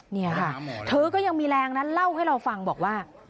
นี่ค่ะเธอก็ยังมีแรงนะเล่าให้เราฟังบอกว่า